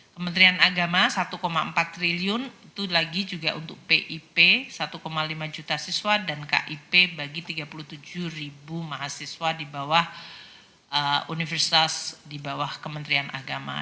kementerian agama satu empat triliun itu lagi juga untuk pip satu lima juta siswa dan kip bagi tiga puluh tujuh ribu mahasiswa di bawah universitas di bawah kementerian agama